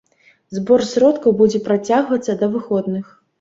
Збор сродкаў будзе працягвацца да выходных.